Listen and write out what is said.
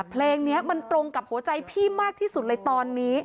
เพลงนี้มันตรงกับหัวใจพี่มากที่สุดเลยตอนนี้